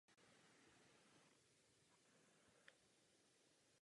Šest let studoval hru na kytaru ve Vídni.